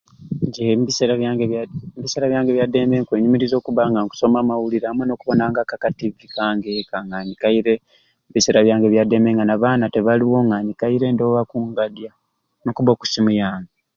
Nje mbiseera byange ombiseera byange ebyadembe nkwenyumiriza okubba nga nkusoma amawuliire amwei nokubonangaku aka tivi kange ekka nga nyikaire ombiseera byange ebyadembe nga nabaana tibaliwo nga nyikaire ndowo akungadya nokubba okusimu yange.